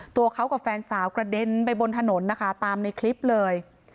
ตัวเขากับแฟนสาวกระเด็นไปบนถนนนะคะตามในคลิปเลย